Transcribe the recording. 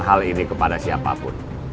hal ini kepada siapapun